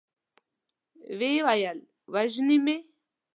ويې ويل: وژني مې؟